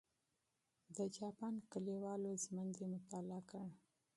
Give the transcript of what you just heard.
د جاپان کلیوالو ژوند یې مطالعه کړ.